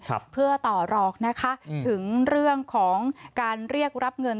เพื่อต่อรองนะคะถึงเรื่องของการเรียกรับเงิน